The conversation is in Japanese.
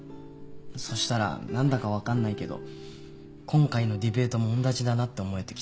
そうしたら何だか分かんないけど今回のディベートもおんなじだなって思えてきて。